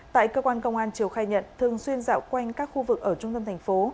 tại cơ quan công an triều khai nhận thường xuyên dạo quanh các khu vực ở trung tâm thành phố